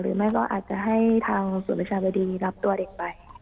หรือไม่ก็อาจจะให้ทางส่วนประชาบริธีรับตัวเด็กไป